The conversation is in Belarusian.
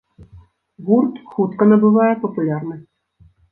Гурт хутка набывае папулярнасць.